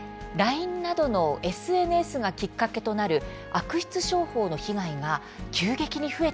ＬＩＮＥなどのＳＮＳがきっかけとなる悪質商法の被害が急激に増えています。